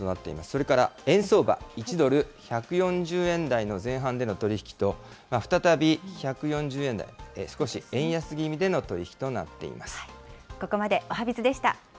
それから円相場、１ドル１４０円台の前半での取り引きと、再び１４０円台、少し円安気味での取り引きとなっています。